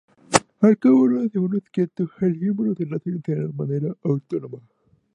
Al cabo de unos segundos quieto, el símbolo será seleccionado de manera automática.